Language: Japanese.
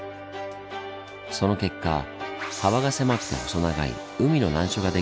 その結果幅が狭くて細長い海の難所が出来たんです。